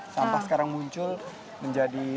sampah sekarang muncul menjadi